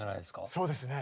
そうですね。